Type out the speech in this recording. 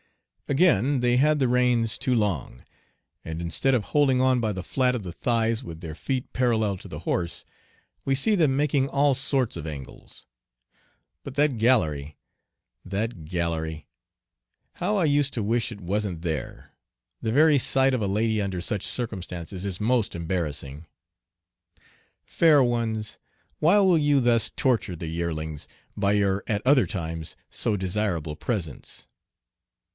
Again they had the reins too long, and instead of holding on by the flat of the thighs with their feet parallel to the horse, we see them making all sorts of angles. But that gallery! that gallery! how I used to wish it wasn't there! The very sight of a lady under such circumstances is most embarrassing. Fair ones, why will you thus torture the "yearlings" by your at other times so desirable presence?